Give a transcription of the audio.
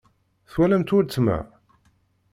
Twalamt weltma?